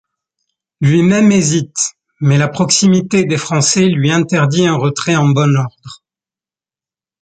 Lui-même hésite, mais la proximité des Français lui interdit un retrait en bon ordre.